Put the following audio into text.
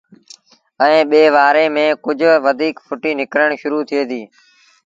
ائيٚݩ ٻي وآري ميݩ ڪجھ وڌيٚڪ ڦُٽيٚ نڪرڻ شرو ٿئي ديٚ